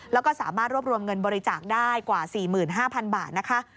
แล้วก็สามารถรวบรวมเงินบริจาคได้กว่า๔๕๐๐๐บาทนะคะ